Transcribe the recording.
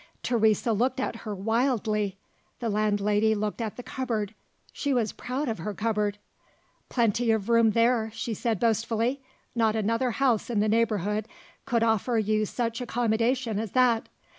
Teresa looked at her wildly. The landlady looked at the cupboard: she was proud of her cupboard. "Plenty of room there," she said boastfully: "not another house in the neighbourhood could offer you such accommodation as that!